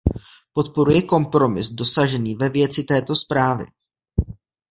Podporuji kompromis dosažený ve věci této zprávy.